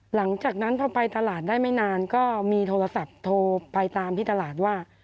หลังจากนั้นพอไปตลาดได้ไม่นานก็มีโทรศัพท์โทรไปตามที่ตลาดว่า